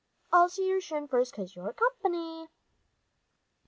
I'll see your shin first, 'cause you're company."